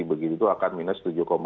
begitu akan minus tujuh enam